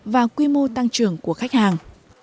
và quy mô tăng trưởng của khách hàng